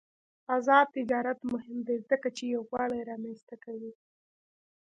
آزاد تجارت مهم دی ځکه چې یووالي رامنځته کوي.